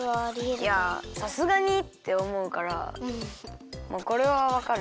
いやさすがにっておもうからもうこれはわかる。